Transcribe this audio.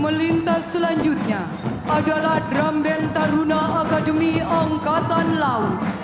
melintas selanjutnya adalah drambem taruna akademi angkatan laut